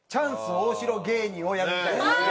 大城芸人をやるみたいですね。